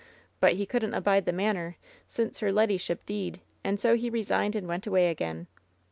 But he couldn't abide the manor since her leddyship deed, and so he resigned and went away again.